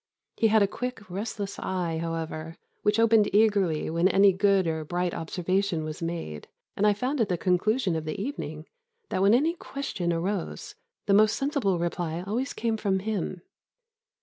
He had a quick, restless eye, however, which opened eagerly when any good or bright observation was made; and I found at the conclusion of the evening, that when any question arose, the most sensible reply always came from him....